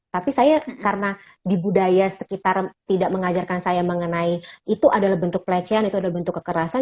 tapi saya karena di budaya sekitar tidak mengajarkan saya mengenai itu adalah bentuk pelecehan itu adalah bentuk kekerasan